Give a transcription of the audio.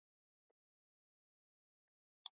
دا پدیده له وینې سره تړلې ده